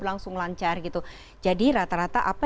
langsung lancar gitu jadi rata rata